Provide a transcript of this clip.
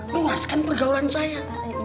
luaskan pergaulan saya